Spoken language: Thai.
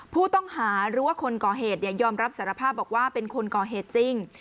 ผู้ต้องหาหรือว่าคนก่อเหตุยอมรับสารภาพบอกว่าเป็นคนก่อเหตุจริง